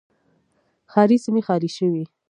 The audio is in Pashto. ښاري سیمې خالي شوې.